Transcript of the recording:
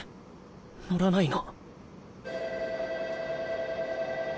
乗らないの？